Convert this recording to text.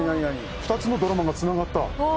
２つのドラマが繋がった。